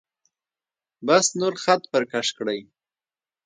بس نور خط پر کش کړئ.